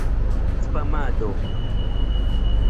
spamado